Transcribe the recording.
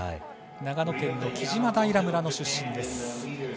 長野県の木島平村の出身です。